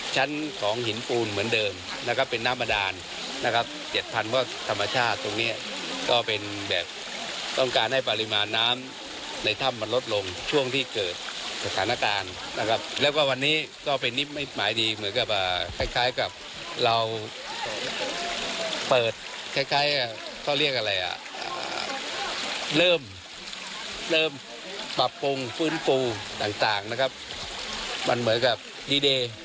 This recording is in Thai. ชั้นของหินปูนเหมือนเดิมนะครับเป็นน้ำบาดานนะครับ๗๐๐ว่าธรรมชาติตรงเนี้ยก็เป็นแบบต้องการให้ปริมาณน้ำในถ้ำมันลดลงช่วงที่เกิดสถานการณ์นะครับแล้วก็วันนี้ก็เป็นนิมไม่หมายดีเหมือนกับคล้ายกับเราเปิดคล้ายเขาเรียกอะไรอ่ะเริ่มเริ่มปรับปรุงฟื้นฟูต่างนะครับมันเหมือนกับดีเดย์